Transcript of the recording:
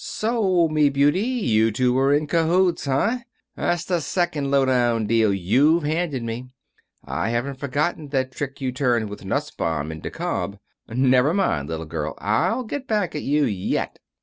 "So, me beauty, you two were in cahoots, huh? That's the second low down deal you've handed me. I haven't forgotten that trick you turned with Nussbaum at DeKalb. Never mind, little girl. I'll get back at you yet."